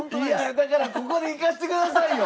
だからここで引かせてくださいよ！